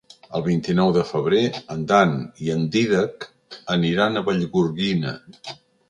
El vint-i-nou de febrer en Dan i en Dídac aniran a Vallgorguina.